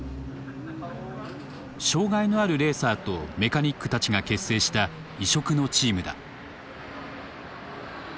障害のあるレーサーとメカニックたちが結成した異色のチームだ。